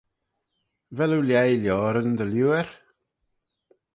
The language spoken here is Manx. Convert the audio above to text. Vel oo lhaih lioaryn dy liooar?